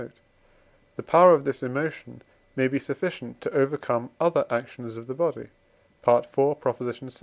note); the power of this emotion may be sufficient to overcome other actions of the body (IV. vi.)